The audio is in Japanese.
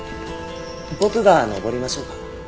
僕が登りましょうか？